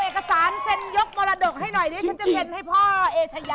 พ่อด่านชาย